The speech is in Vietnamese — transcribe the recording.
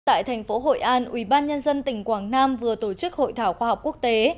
tại thành phố hội an ubnd tỉnh quảng nam vừa tổ chức hội thảo khoa học quốc tế